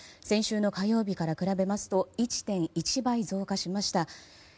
先週の火曜日から比べますと１．１倍増加しました。